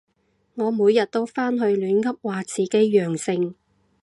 我每日都返去亂噏話自己陽性